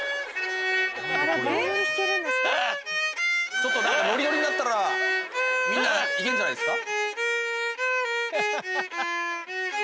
ちょっとノリノリになったらみんないけんじゃないですか？